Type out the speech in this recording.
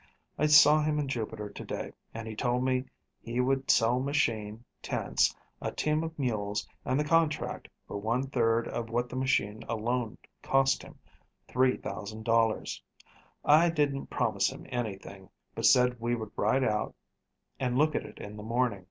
I saw him in Jupiter to day, and he told me he would sell machine, tents, a team of mules, and the contract for one third of what the machine alone cost him, $3,000. I didn't promise him anything, but said we would ride out and look at it in the morning.